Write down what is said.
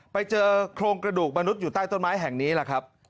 ไปเจอโครงกระดูกมนุษย์อยู่ใต้ต้นไม้แห่งนี้แหละครับ